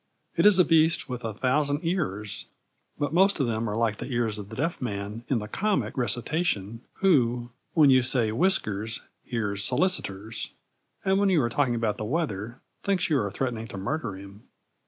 It is a beast with a thousand ears, but most of them are like the ears of the deaf man in the comic recitation who, when you say "whiskers" hears "solicitors," and when you are talking about the weather thinks you are threatening to murder him.